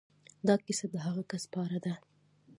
دا کيسه د هغه کس په اړه ده.